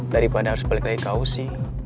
daripada harus balik lagi kau sih